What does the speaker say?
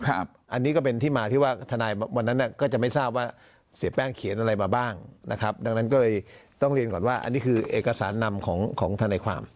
อันนี้ก็เป็นที่มาที่ว่าทนายวันนั้นก็จะไม่ทราบว่าเสียแป้งเขียนอะไรมาบ้างนะครับดังนั้นก็เลยต้องเรียนก่อนว่าอันนี้คือเอกสารนำของทนายความ